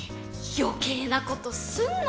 余計なことすんな！